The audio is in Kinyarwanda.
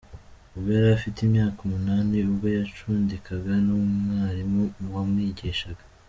ubwo yari afite imyaka umunani ubwo yacudikaga n’umwarimu wamwigishaga.